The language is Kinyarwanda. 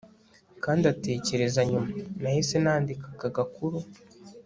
kandi atekereza nyuma nahise nandika aka gakuru